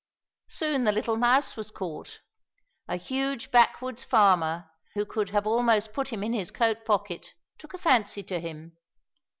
Soon the little Mouse was caught. A huge backwoods farmer, who could have almost put him in his coat pocket, took a fancy to him.